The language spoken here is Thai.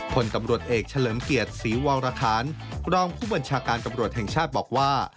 ผลตำรวจเอกเฉลิมเกียรติศรีวรคารรองผู้บัญชาการตำรวจแห่งชาติบอกว่า